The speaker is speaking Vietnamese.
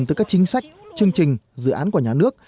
từ các chính sách chương trình dự án của nhà nước